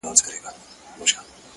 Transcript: چي د مخ لمر يې تياره سي نيمه خوا سي”